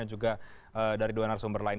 juga dari dua narasumber lain